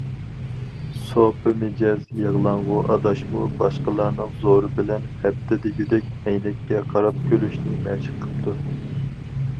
سوپى مىجەز يىغلاڭغۇ ئاداشمۇ باشقىلارنىڭ زورى بىلەن ھەپتە دېگۈدەك ئەينەككە قاراپ كۈلۈشنى مەشىق قىپتۇ.